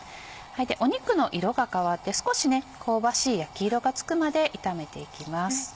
肉の色が変わって少し香ばしい焼き色がつくまで炒めていきます。